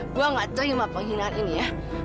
gua gak cek sama penghinaan ini ya